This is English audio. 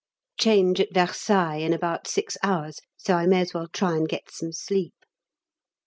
Change at Versailles in about six hours, so I may as well try and get some sleep.